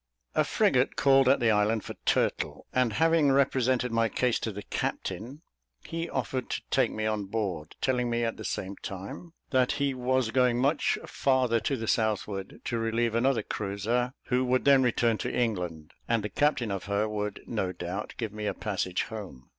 A frigate called at the island for turtle; and, having represented my case to the captain, he offered to take me on board, telling me at the same time that he was going much farther to the southward, to relieve another cruiser, who would then return to England, and the captain of her would, no doubt, give me a passage home.